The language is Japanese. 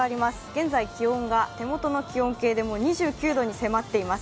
現在、気温が手元の気温計で２９度に迫っています。